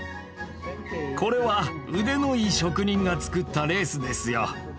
これは腕のいい職人が作ったレースですよ。